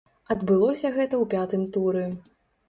Адбылося гэта ў пятым туры.